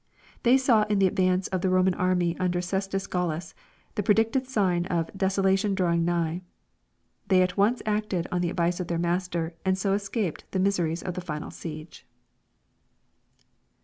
They saw in the advance of the Roman army under Cestius Gal lus the predicted sign of " desolation drawing nigh." They at once acted on the advice of their Master, and so escaped the mis eries of the final siege.